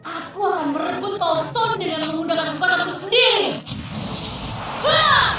aku akan merebut power stone dengan menggunakan kuatanku sendiri